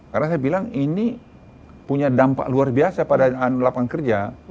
karena saya bilang ini punya dampak luar biasa pada lapangan kerja